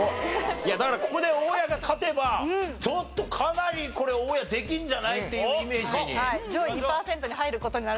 いやだからここで大家が勝てばちょっとかなりこれ大家できるんじゃない？っていうイメージに。